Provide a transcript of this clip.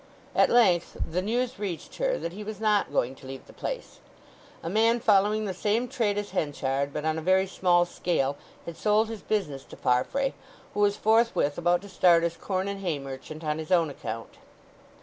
At length the news reached her that he was not going to leave the place. A man following the same trade as Henchard, but on a very small scale, had sold his business to Farfrae, who was forthwith about to start as corn and hay merchant on his own account.